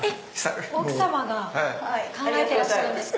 奥さまが考えてらっしゃるんですか。